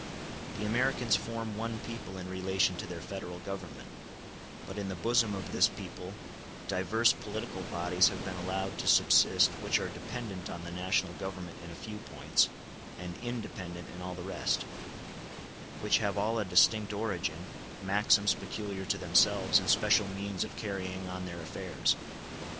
The Americans form one people in relation to their Federal Government; but in the bosom of this people divers political bodies have been allowed to subsist which are dependent on the national Government in a few points, and independent in all the rest; which have all a distinct origin, maxims peculiar to themselves, and special means of carrying on their affairs.